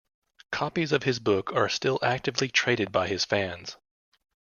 Copies of his books are still actively traded by his fans.